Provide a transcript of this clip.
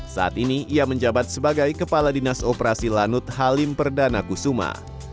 saat ini ia menjabat sebagai kepala dinas operasi lanut halim perdana kusuma